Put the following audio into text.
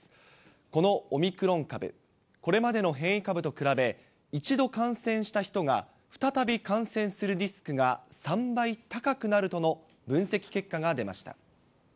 このオミクロン株、これまでの変異株と比べ、一度感染した人が再び感染するリスクが３倍高くなるとの分析結果